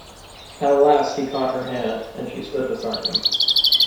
At last he caught her hand, and she stood beside him.